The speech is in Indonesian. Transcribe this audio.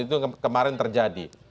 itu kemarin terjadi